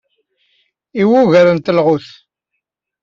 I wugar n telɣut.